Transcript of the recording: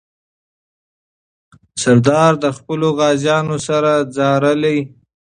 سردار له خپلو غازیانو سره ځارلې.